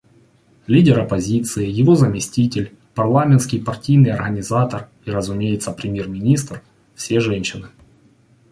Лидер оппозиции, его заместитель, парламентский партийный организатор и, разумеется, премьер-министр — все женщины.